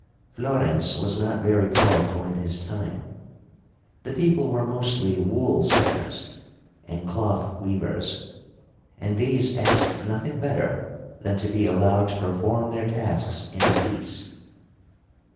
Florence was not very powerful in his time. The people were mostly wool spinners and cloth weavers, and these asked nothing better than to be allowed to perform their tasks in peace.